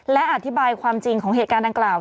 และอธิบายความจริงของเหตุการณ์ดังกล่าว